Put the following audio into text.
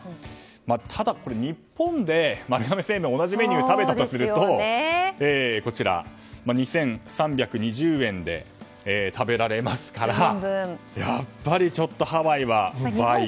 ただ、日本で丸亀製麺で同じメニューを食べたとすると２３２０円で食べられますからやっぱりちょっとハワイは高い。